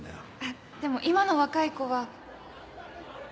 でも今の若い子は。